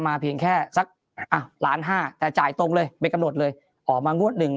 เพียงแค่สักอ่ะล้านห้าแต่จ่ายตรงเลยไปกำหนดเลยออกมางวดหนึ่ง